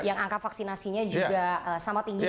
yang angka vaksinasinya juga sama tinggi